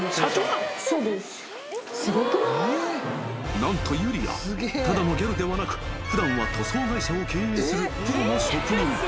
［何とユリアただのギャルではなく普段は塗装会社を経営するプロの職人］